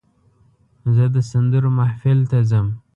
زه د سندرو محفل ته ځم.